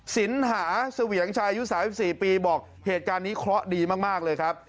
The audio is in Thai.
สินหาเสวียงชายอายุ๓๔ปีบอกเหตุการณ์นี้เคราะห์ดีมากเลยครับ